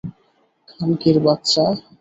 খানকির বাচ্চা!